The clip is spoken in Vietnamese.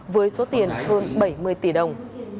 với số tiền hơn bảy mươi tỷ đồng